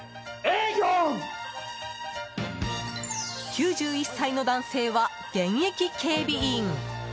９１歳の男性は、現役警備員。